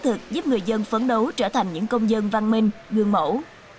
thực giúp người dân phấn đấu trở thành những công dân văn minh gương mẫu